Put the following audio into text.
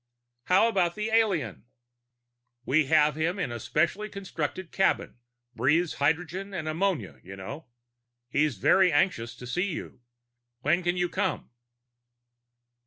"How about the alien?" "We have him in a specially constructed cabin. Breathes hydrogen and ammonia, you know. He's very anxious to see you. When can you come?"